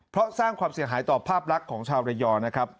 เพราะสร้างความเสียหายต่อภาพลักษณ์ของชาวระยองนะครับ